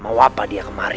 mau apa dia kemari